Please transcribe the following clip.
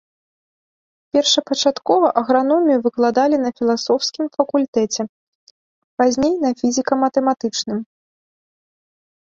Першапачаткова аграномію выкладалі на філасофскім факультэце, пазней на фізіка-матэматычным.